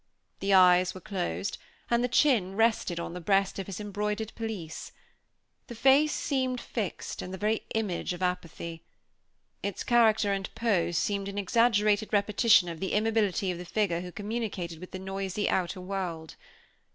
The eyes were closed, and the chin rested on the breast of his embroidered pelisse. The face seemed fixed, and the very image of apathy. Its character and pose seemed an exaggerated repetition of the immobility of the figure who communicated with the noisy outer world.